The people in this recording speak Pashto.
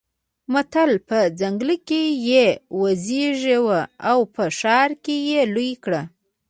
متل: په ځنګله کې يې وزېږوه او په ښار کې يې لوی کړه.